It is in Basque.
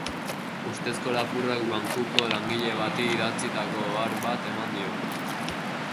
Ustezko lapurrak bankuko langile bati idatzitako ohar bat eman dio.